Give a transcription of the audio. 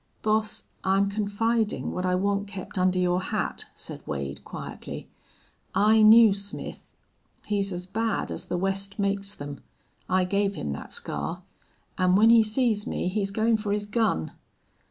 "Boss, I'm confidin' what I want kept under your hat," said Wade, quietly. "I knew Smith. He's as bad as the West makes them. I gave him that scar.... An' when he sees me he's goin' for his gun."